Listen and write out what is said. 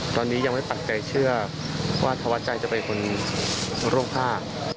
ตอนนี้ยังไม่ปักใจเชื่อว่าธวัดใจจะเป็นคนร่วงท่า